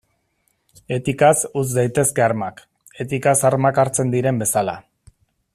Etikaz utz daitezke armak, etikaz armak hartzen diren bezala.